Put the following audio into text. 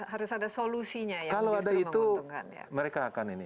harus ada solusinya yang menguntungkan